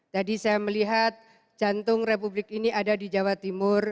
jadi saya melihat jantung republik ini ada di jawa timur